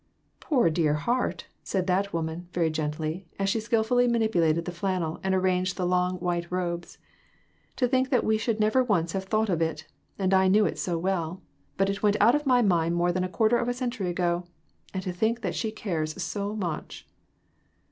"Poor dear heart," said that woman, very gently, as she skillfully manipulated the flannel, and arranged the long, white robes; "to think that we should never once have thought of it, and I knew it so well ; but it went out of my mind more than a quarter of a century ago ; and to think that she cares so much